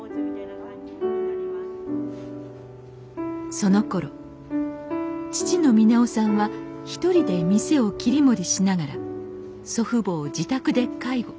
そのころ父の峰雄さんは一人で店を切り盛りしながら祖父母を自宅で介護。